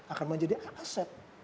akan menjadi aset